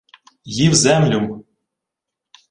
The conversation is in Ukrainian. — Їв землю-м.